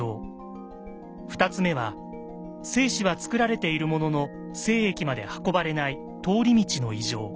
２つ目は精子はつくられているものの精液まで運ばれない通り道の異常。